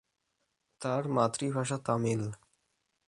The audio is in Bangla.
তাঁর মাতৃভাষা তামিল।